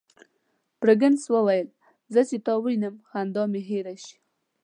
فرګوسن وویل: زه چي تا ووینم، خندا مي هېره شي.